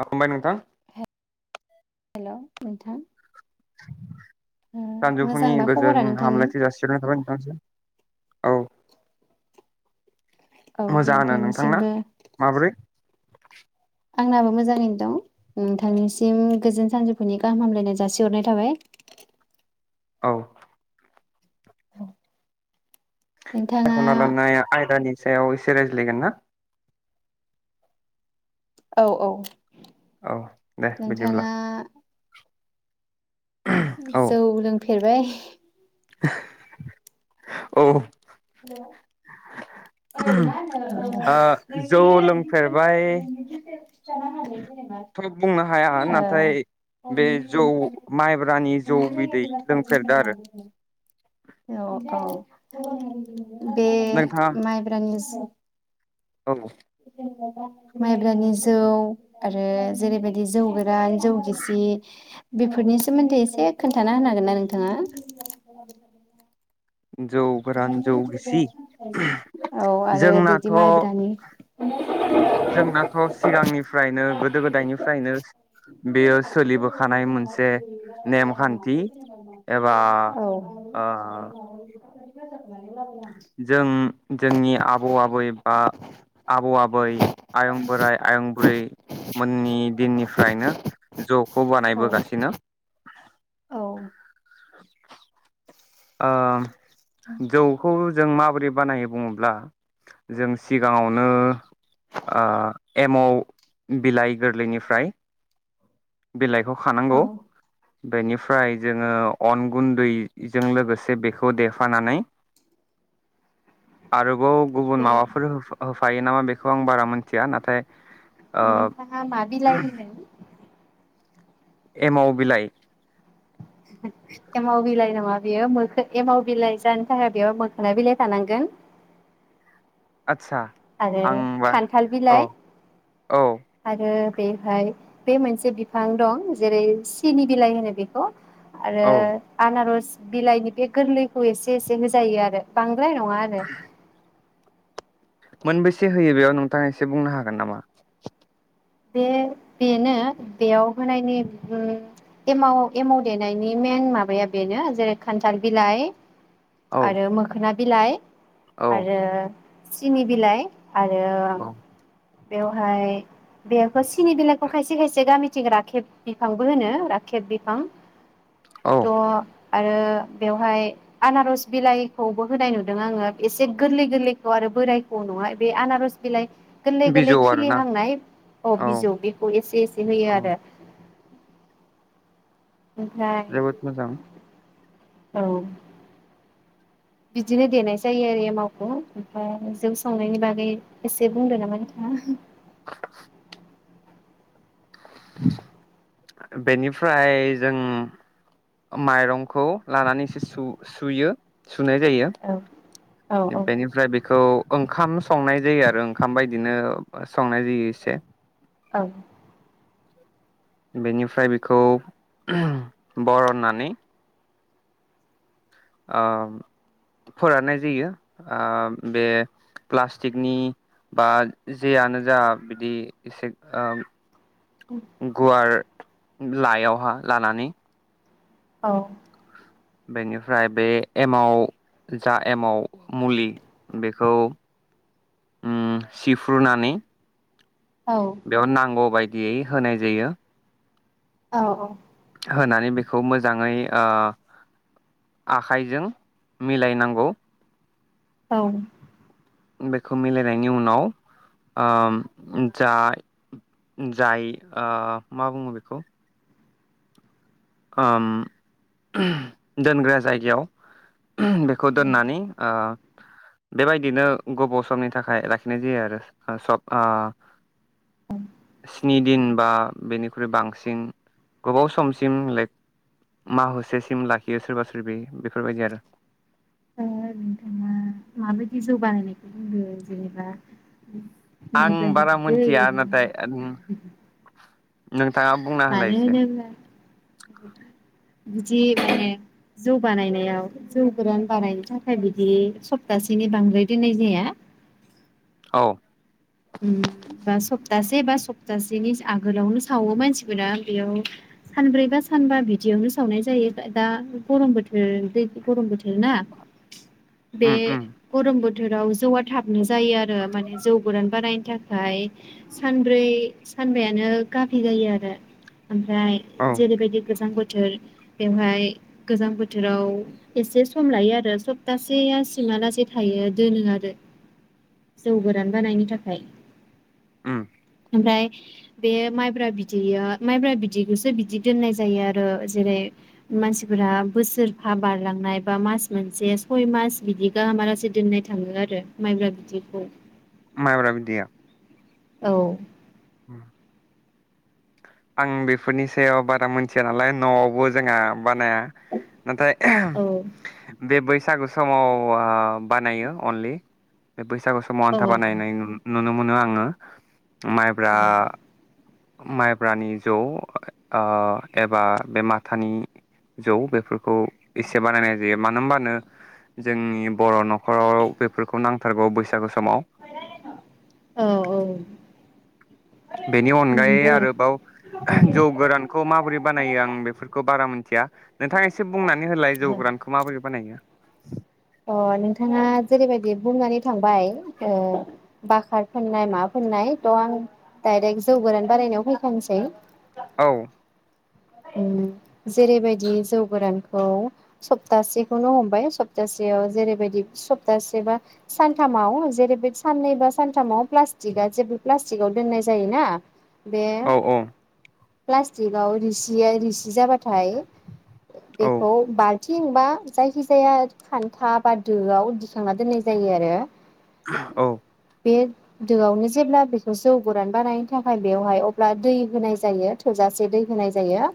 जाखांबाय नोंथां। हेल' नोंथां ओ सानजुफुंनि मोजांबा खबरा गोजोन नोंथांनि हामलाथि जासि हरनाय थाबाय नोंथांनिसिम। औ मोजाङानो, नोंथांना नोंथांनिसिमबो माब्रै आंनाबो मोजाङैनो दं नोंथांनिसिम गोजोन सानजौफुनि गाहाम हामलायनाय जासिहरनाय थाबाय औ नोंथाङा सखयख'ना लानाय आयदानि सायाव एसे रायज्लायगोन ना? औ औ औ दे बिदिब्ला नोंथाङा औ जौ लोंफेर फेरबाय? [unintelligible] औ हेल' ओइ मा होनो जौ नोंनि [unintelligible] [unintelligible] थ' बुंनो हाया नाथाय बे जौ माइब्रानि जौ बिदै लोंफेरदो आरो औ औ बे नोंथाङा माइब्रानि [unintelligible] औ माइब्रानि जौ आरो जेरैबायदि जौ गोरान जौ गिसि बेफोरनि सोमोन्दै एसे खोन्थाना होनो हागोन ना नोंथाङा? जौ गोरान जौ गिसि औ आरो बिदि जोंनाथ' माइब्रानि जोंनाथ' सिगांनिफ्रायनो गोदो गोदायनिफ्रायनो औ बेयो सोलिबोखानाय मोनसे नेमखान्थि एबा ओ [unintelligible] जों जोंनि आबौ आबै बा आबौ आबै आयं बोराइ आयं बुरै मोननि दिननिफ्रायनो जौखौ बानायबोगासिनो औ [inaudible] ओ जौखौ जों माबोरै बानायो बुङोब्ला जों सिगाङावनो अ एमाव बिलाइ गोरलैनिफ्राय बिलाइखौ खानांगौ बेनिफ्राय जोङो अन गुन्दैजों लोगोसे बेखौ देफानानै आरो गुबुन गुबुन बे माबाफोर होफायो नामा बे खौ आं बारा मोनथिया नाथाय ओ नोंथाङा मा बिलाइ होनदों एमाव बिलाइ एमाव बिलाइ नङा बेयो मोखो एमाव बिलाइ जानो थाखाय बेयाव मोखोना बिलाइ थानांगोन आदसा आरो आंबा खान्थाल औ बिलाइ औ आरो बेवहाय बे मोनसे बिफां दं जेरै सिनि बिलाइ होनो बेखौ आरो औ आनारस बिलाइनि बे गोरलैखौ एसे एसे होजायो आरो बां द्राय नङा आरो मोनबेसे होयो बेयाव नोंथाङा एसे बुंनो हागोन नामा? बे बेनो बेयाव होनायनि उम एमाव एमाव देनायनि मेन माबाया बेनो जेरै खान्थाल बिलाइ औ आरो मोखोना बिलाइ औ आरो सिनि बिलाइ आरो औ बेवहाय बेखौ सिनि बिलाइखौ खायसे खायसे गामिथिं राखेब बिफांबो होनो राखेब बिफां औ द' आरो बेवहाय आनारस बिलाइखौबो होनाय नुदों आङो एसे गोरलै गोरलैखौ आरो बोरायखौ नङा बे आनारस बिलाइ गोरलै गोरलै बिजौ आरोना खिलिहांनाय अ औ बिजौ बेखौ एसे एसे होयो औ आरो ओमफ्राय जोबोद मोजां औ बिदिनो देनाय जायो आरो एमावखौ ओमफ्राय जौ संनायनि बागै एसे बुंदो नामा नोंथाङा [inaudible] बेनिफ्राय जों माइरंखौ लानानै एसे सु-सुयो सुनाय जायो औ औ बेनिफ्राय बेखौ ओंखाम संनाय जायो आरो ओंखाम बायदिनो संनाय जायो एसे औ बेनिफ्राय बेखौ बरननानै ओ फोराननाय जायो ओ बे प्लास्टिकनि बा जेयानो जा बिदि एसे ओ गुवार लाइयावहा लानानै औ बेनिफ्राय बे एमाव जा एमाव मुलि बेखौ उम सिफ्रुनानै औ बेयाव नांगौ बाय दियै होनाय जायो औ औ होनानै बेखौ मोजाङै ओ आखाइजों मिलायनांगौ औ बेखौ मिलायनायनि ओम उनाव जा जाय ओ मा बुङो बेखौ ओम दोनग्रा जायगायाव बेखौ दोननानै ओ बेबायदिनो गोबाव समनि थाखाय लाखिनाय जायो आरो सब ओ स्नि दिन बा बेनिख्रुइ बांसिन गोबाव सम सिम लाइक मा हसेसिम लाखियो सोरबा सोरबि बेफोरबायदि आरो नोंथाङा मा-माबायदि जौगानायनायखौ बुंदों जेनेबा आं माइब्रानि बारा बिदै मोनथिया नाथाय ओम नोंथाङा बुंना होलाय मानो एसे होनोब्ला बिदि माने जौ बानायनायाव जौ गोरान बानायनो थाखाय बिदि सप्तासेनि बांद्राय दोननाय जाया। औ। उम बा सब सप्तासे बा सप्तासेनि आगोलावनो सावो मानसिफोरा बेयाव सानब्रै बा सानबा बिदियावनो सावनाय जायो दा गरम बोथोर दै गरम बोथोर ना। बे‌ उम उम गरम बो बोथोराव जौवा थाबनो जायो आरो माने जौ गोरान बानायनो थाखाय सानब्रै सानबायानो गाफि जायो आरो ओमफ्राय औ जेरैबायदि गोजां बोथोर बेवहाय गोजां बोथोराव एसे सम लायो आरो सप्तासे आ सिमालासे थायो दोनो आरो जौ गोरान बानायनो था [unintelligible] ओम ओमफ्राय बे माइब्रा बिदैया माइब्रा बिदैखौसो बिदि दोननाय जायो आरो जेरै मानसिफोरा बोसोरफा बारलांनाय बा मास मोनसे सय मास बिदि गाहामालासे दोननाय थाङो आरो माइब्रा बिदैखौ माइब्रा बिदैया औ। उम आं बेफोरनि सायाव बारा मिथिया नालाय न'आवबो जोंहा बानाया नाथाय औ बे बै बैसागु समाव आं बानायो अनलि बे बै समाव औ आन्था बानायनाय नुनो मोन मोना आङो। माइब्रा माइ खब्रानि जौ आ एबा बे माथानि जौ बेफोरखौ एसे बानायनाय जायो मानो होनबानो जोंनि बर न खर'आव बेफोरखौ नांग थारगाव बैसागु समाव औ औ। बेनि अनगायै नंगौ आरोबाव जौ आ गोरानखौ माबोरै बानायो आं बेफोरखौ बारा मिथिया नोंथाङा एसे बुंनानै होलाय जौ गोरानखौ माबोरै बानायो? अ नोंथाङा जेरैबायदि बुंनानै थांबाय ओ बकार फोननाय मा फोननाय थ' आं डायरेक्ट जौ गोरान बारायनायाव फैखानोसै औ। जेरैबायदि जौ गोरानखौ सप्तासेखौनो हमबाय ओ ओ सप्तासेयाव जेरैबायदि सप्तासे बा सानथामाव जेरैबायदि साननै बा सानथामाव प्लास्टिकआ जेबो प्लास्टिकआव दोननाय जायोना। बे औ प्लासटिकआव आरै सि सिया रिसि जाबाथाय औ बेखौ बाल थिंबा जायखिजाया खान्था बा दोआव दिखांना दोननाय जायो आरो। औ। बे दोआवनो जेब्ला बेखौ जौ गोरान बानायनो थाखाय बेवहाय अब्ला दै होनाय जायो थोजासे दै होनाय जायो। जायो।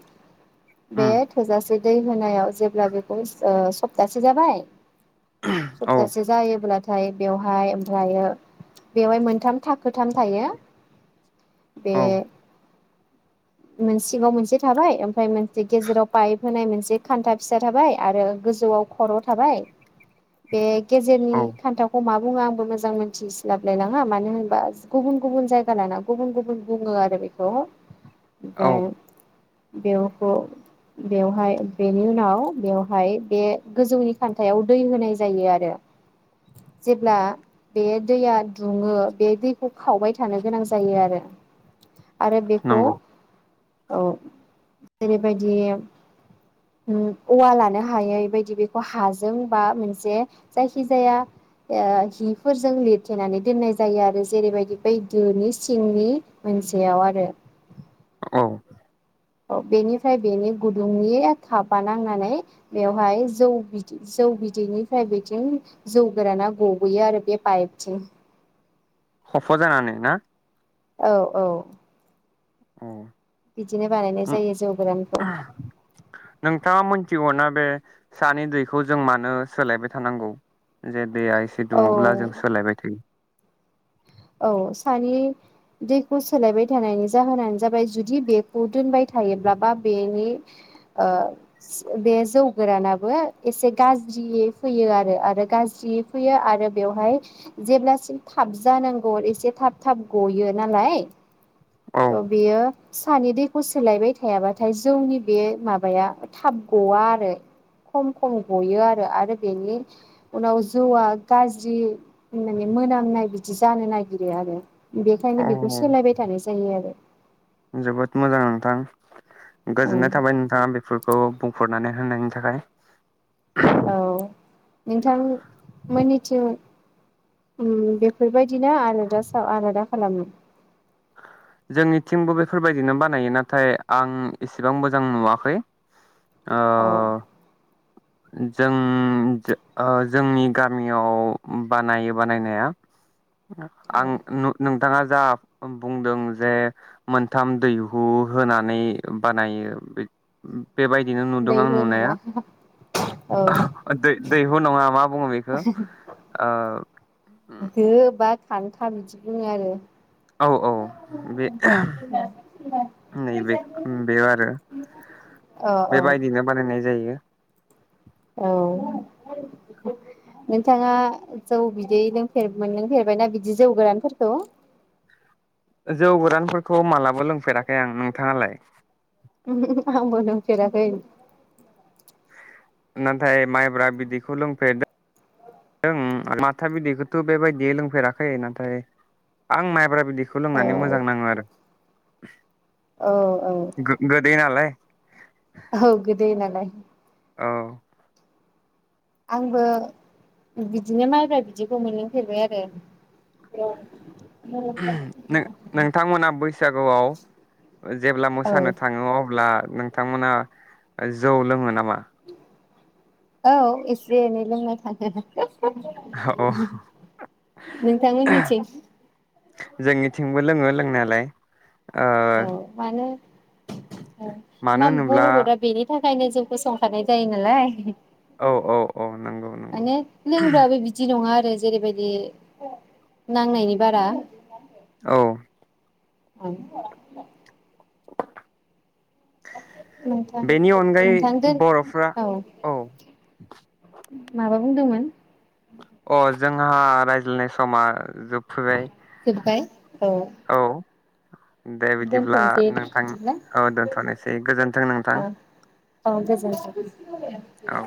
उम बेयो थोजासे दै होनायाव जेब्ला बेखौ ओ सप्तासे जाबाय। औ सप्तासे जायोब्ला ओमफ्राय बेवहाय ओमफ्रायो बेवहाय मोनथाम थाखोथाम थायो। बे औ मोन सिङाव मोनसे थाबाय ओमफ्राय मोनसे गेजेराव पाइप होनाय मोनसे खान्था फिसा थाबाय आरो गोजौआव खर' थाबाय बे गेजेरनि औ खान्थाखौ मा बुङो आंबो मोजां मोनथिस्लाबलायलाङा मानो होनबा गुबुन गुबुन जायगा लाना गुबुन गुबुन बुङो आरो बेखौ औ ओमफ्राय बेवखौ बेवहाय बेनि उनाव बेवहाय बे गोजौनि खान्थायाव दै होनाय जायो आरो जेब्ला बे दैया दुङो बे दैखौ खावबाय थानो गोनां जायो आरो आरो बेखौ नंगौ औ जेरैबायदि उवा लानो हायैबायदि बेखौ हाजों बा मोनसे जायखिजाया ओ हिफोरजों लिरथेनानै दोननाय जायो आरो जेरैबायदि बै दोनि सिंनि मोनसेयाव आरो। औ औ बेनिफ्राय बेनि गुदुंनि थाफा नांनानै बेवहाय जौ बिदै जौ बिदैनिफ्राय बेथिं जौ गोराना गबोयो आरो बे पाइपथिं खफ' जानानै ना औ औ औ बिदिनो बानायनाय जायो जौ गोरानखौ थिगौना बे सानि दैखौ जों मानो सोलायबाय थानांगौ जे दैेया एसे औ दुङोब्ला जों सोलायबाय थायो। औ सानै दैखौ सोलायबाय थानायनि जाहोनानो जाबाय जुदि बेखौ दोनबाय थायोब्ला बा बेनि बे जौ गोरानाबो एसे गाज्रियै फैयो आरो आरो गाज्रियै फैयो आरो बेवहाय जेब्लासिम थाबजानांगौ गो एसे थाब थाब गयो नालाय। औ सानै दैखौ सोलायबाय थायाबाथाय जौनि बे माबाया थाब गवा आरो खम खम गयो आरो आरो बेनि उनाव जौआ गाज्रि माने मोनामनाय बिदि जानो नागिरो आरो। बेखायनो औ बेखौ सोलायबाय थानोसै [unintelligible] जोबोद मोजां नोंथां औ गोजोननाय थाबाय नोंथाङा बेफोरखौ बुंफोर माने होननायनि थाखाय औ नोंथांमोननिथिं बेफोरबायदि बिदिनो आलादासाव आलादा खालामो जोंनिथिंबो बेफोरबायदिनो बानायो नाथाय आं इसेबां मोजां नुवाखै। अ औ जों ओ जोंनि गामियाव बानायो बानायनाया आं औ [unintelligible] नों दाङा जाब बुंदों जे मोनथाम दैहु होनानै बानायो। बेबायदिनो नुदों आं दैहु नुनाया नङा औ दै-दैहु नङा मा बुङो बेखौ ओ [unintelligible] बाद खान्था बिदि बुङो आरो औ औ बे नैबे बेयाव आरो औ बेबायदिनो बानायनाय जायो औ नोंथाङा जौ बिदै लोंफेर मोनलोंफेरबायना बिदि जौ गोरानफोरखौ जौ गोरानफोरखौ मालाबा लोंफेराखै आं नोंथाङालाय आंबो लोंफेराखै नाथाय माइब्रा बिदैखौ लोंफेरदों माथा बिदैखौथ' बेबायदियै लोंफेराखै नाथाय आं माइब्रा बिदैखौ औ लोंनानै मोजां नाङो आरो औ [inaudible] गो गोदै नालाय हो गोदै नालाय औ आंबो बिदिनो माइब्रा बिदैखौ मोनलोंफेरबाय आरो नों नोंथांमोना बैसागुआव जेब्ला आरो मोसानो औ थाङो अब्ला नोंथांमोना जौ लोङो ना मा औ एसे एनै लोंबाय था औ [unintelligible] नोंथां मोननिथिं जोंनिथिंबो लोङो लोंनायालाय ओ औ मानो मानो मा होनोब्ला बर'फोरा बेनि था खायनो जौखौ संखानाय जायो नालाय औ औ नंगौ नंगौ माने लोंग्राबो बिदि नङा आरो जेरैबायदि नांनायनि बारा औ [unintelligible] नोंथां [inaudible] बेनि अनगायै नोंथां दोन बर'फ्रा औ माबा बुंदोंमोन अ जोंहा रायज्लायनाय समा जोबफैबाय औ दे बिदिब्ला दोनथ'नोसै नोंथां बिदिब्ला औ दोनथ'नोसै गोजोन्थों नोंथां औ औ गोजोनथों। औ